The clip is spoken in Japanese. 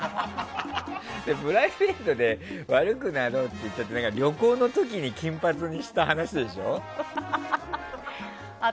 プライベートで悪くなろうって旅行の時に金髪にした話でしょ。